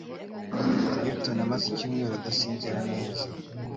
Milton amaze icyumweru adasinzira neza.